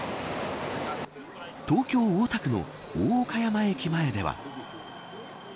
東京、大田区の大岡山駅前では。